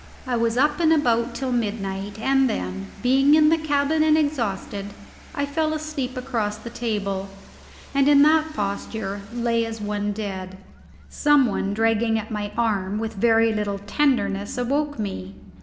I was up and about till midnight, and then, being in the cabin and exhausted, I fell asleep across the table, and in that posture lay as one dead. Some one dragging at my arm, with very little tenderness, awoke me.